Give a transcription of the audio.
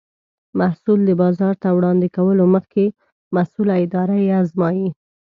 محصول د بازار ته وړاندې کولو مخکې مسؤله اداره یې ازمایي.